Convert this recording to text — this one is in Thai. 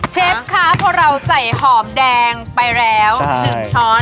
เชฟคะพอเราใส่หอมแดงไปแล้ว๑ช้อน